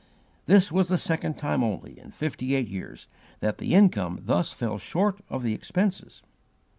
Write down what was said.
This was the second time only, in fifty eight years, that the income thus fell short of the expenses.